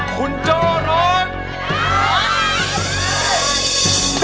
คุณโจ้ร้อง